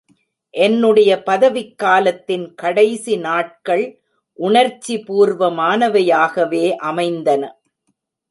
என்னுடைய பதவிக் காலத்தின் கடைசி நாட்கள் உணர்ச்சி பூர்வமானவையாகவே அமைத்தன!